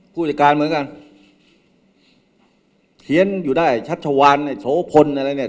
ผู้จัดการเหมือนกันเพี้ยนอยู่ได้ชัชวานเนี่ยโฉพลอะไรเนี่ย